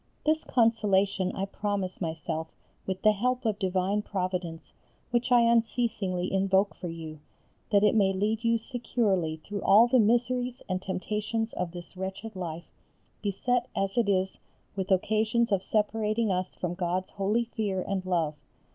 This consolation I promise myself with the help of divine Providence which I unceasingly invoke for you, that it may lead you securely through all the miseries and temptations of this wretched life, beset as it is with occasions of separating us from God's holy fear and love.